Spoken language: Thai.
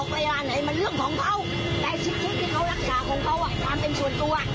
ความเป็นส่วนตัว